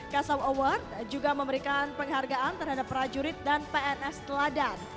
kasam award juga memberikan penghargaan terhadap prajurit dan pns teladan